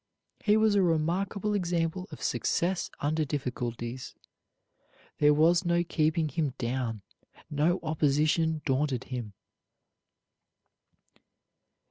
He was a remarkable example of success under difficulties. There was no keeping him down; no opposition daunted him.